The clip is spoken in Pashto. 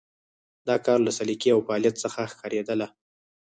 د کار له سلیقې او فعالیت څخه ښکارېدله.